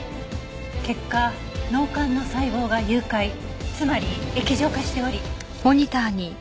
結果脳幹の細胞が融解つまり液状化しており。